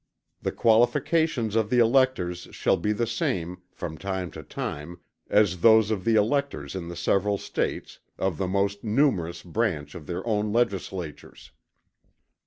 The qualifications of the electors shall be the same, from time to time, as those of the electors in the several States, of the most numerous branch of their own legislatures.